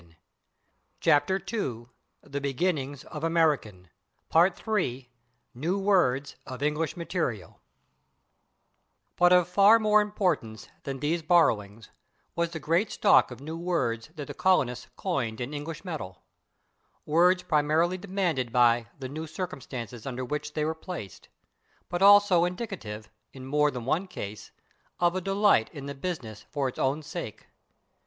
Its etymology is not given in the American dictionaries. § 3 /New Words of English Material/ But of far more importance than these borrowings was the great stock of new words that the colonists coined in English metal words primarily demanded by the "new circumstances under which they were placed," but also indicative, in more than one case, of a delight in the business for its own sake.